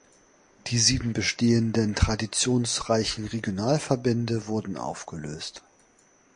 Die sieben bestehenden traditionsreichen Regionalverbände wurden aufgelöst.